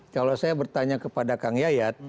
kalau saya bertanya kepada kang yayat